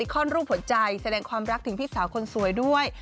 ข้อนรูปหัวใจแสดงความรักถึงพี่สาวคนสวยด้วย